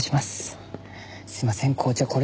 すいません紅茶